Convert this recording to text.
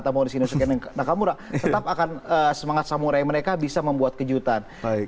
tetap akan semangat samurai mereka bisa membuat kejutan